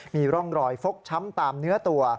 มีร่องรอยฟกช้ำตามเนื้อตัว